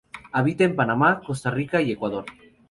Habita en Panamá, Costa Rica y Ecuador.